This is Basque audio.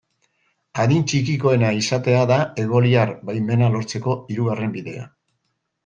Adin txikikoena izatea da egoiliar baimena lortzeko hirugarren bidea.